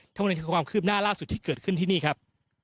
เท่าในความคืบหน้าล่าสุดที่เกิดขึ้นที่นี่ครับ